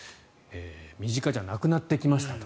身近じゃなくなってきましたと。